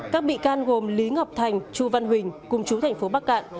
các bị can gồm lý ngọc thành chu văn huỳnh cùng chú thành phố bắc cạn